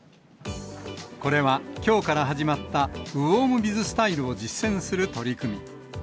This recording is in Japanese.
これは、きょうから始まったウォームビズスタイルを実践する取り組み。